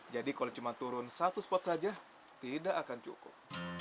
jadi kalau cuma turun satu spot saja tidak akan cukup